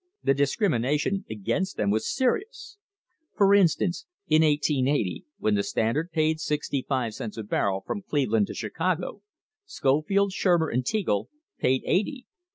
The discrimination against them was serious. For instance, in 1880, when the Standard paid sixty five cents a barrel from Cleveland to Chicago, Scofield, Shurmer and Teagle paid eighty.